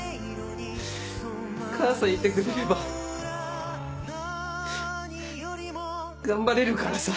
母さんいてくれれば頑張れるからさ。